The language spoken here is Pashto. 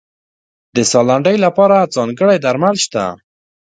د ساه لنډۍ لپاره ځانګړي درمل شته.